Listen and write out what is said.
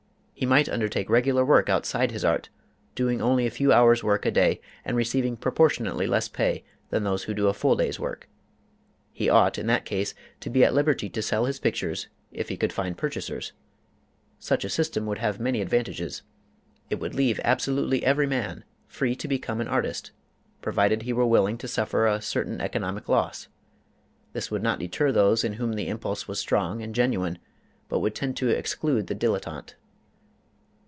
He might undertake regular work outside his art, doing only a few hours' work a day and receiving proportionately less pay than those who do a full day's work. He ought, in that case, to be at liberty to sell his pictures if he could find purchasers. Such a system would have many advantages. It would leave absolutely every man free to become an artist, provided he were willing to suffer a certain economic loss. This would not deter those in whom the impulse was strong and genuine, but would tend to exclude the dilettante.